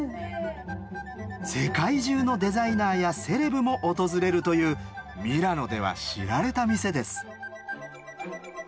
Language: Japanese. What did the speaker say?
世界中のデザイナーやセレブも訪れるというミラノでは知られた店です。